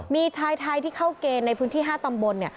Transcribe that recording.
มีชายไทยที่เข้าเกณฑ์ในพื้นที่๕ตำบลเนี่ย